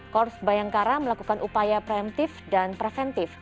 korps bayangkara melakukan upaya preventif dan preventif